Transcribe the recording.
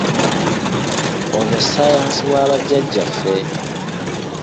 Ono ssaayansi wa bajjaajjaffe!